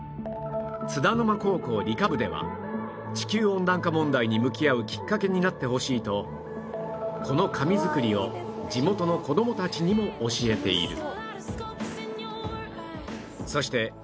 津田沼高校理科部では地球温暖化問題に向き合うきっかけになってほしいとこの紙作りを地元の子供たちにも教えている